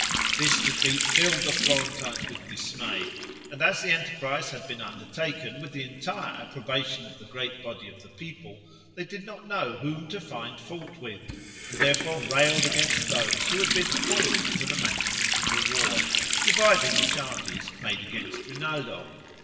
This defeat filled the Florentines with dismay, and as the enterprise had been undertaken with the entire approbation of the great body of the people, they did not know whom to find fault with, and therefore railed against those who had been appointed to the management of the war, reviving the charges made against Rinaldo.